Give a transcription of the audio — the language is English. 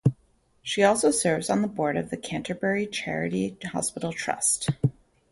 She also serves on the board of the Canterbury Charity Hospital Trust.